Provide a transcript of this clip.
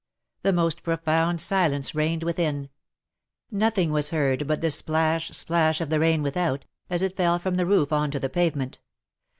The most profound silence reigned within; nothing was heard but the splash, splash of the rain without, as it fell from the roof on to the pavement.